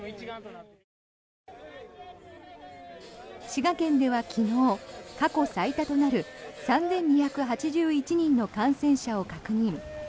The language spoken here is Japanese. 滋賀県では昨日過去最多となる３２８１人の感染者を確認。